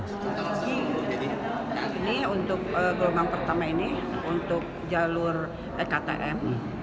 ini untuk gelombang pertama ini untuk jalur ektm